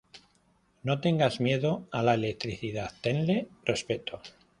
No tengas miedo a la electricidad, tenle respeto.